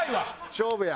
勝負や。